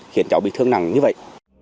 khiến cháu bị thương nặng như vậy